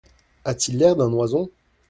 A-t-il l’air d’un oison !